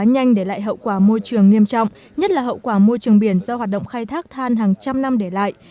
nhanh để lại hậu quả môi trường nghiêm trọng nhất là hậu quả môi trường biển do hoạt động khai thác than hàng trăm năm để lại